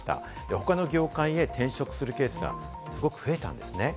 ほかの業界へ転職するケースがすごく増えたんですね。